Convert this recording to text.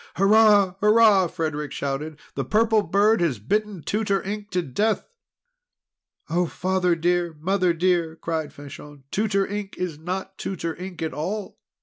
"Hurrah! Hurrah!" Frederic shouted. "The Purple Bird has bitten Tutor Ink to death!" "Oh, Father dear, Mother dear!" cried Fanchon. "Tutor Ink is not Tutor Ink at all!